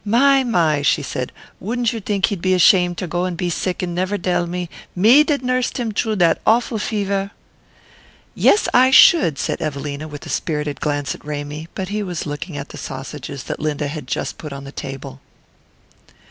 "My, my," she said, "wouldn't you think he'd be ashamed to go and be sick and never dell me, me that nursed him troo dat awful fever?" "Yes, I SHOULD," said Evelina, with a spirited glance at Ramy; but he was looking at the sausages that Linda had just put on the table.